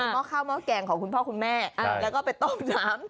หม้อข้าวหม้อแกงของคุณพ่อคุณแม่แล้วก็ไปต้มน้ำ